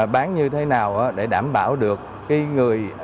bán như thế nào để đảm bảo được người khách hàng có nhu cầu mua vé mua được vé